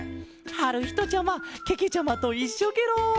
はるひとちゃまけけちゃまといっしょケロ。